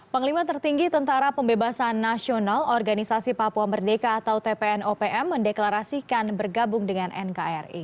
panglima tertinggi tentara pembebasan nasional organisasi papua merdeka atau tpn opm mendeklarasikan bergabung dengan nkri